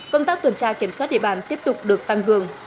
công tác tuần tra kiểm soát địa bàn tiếp tục được tăng cường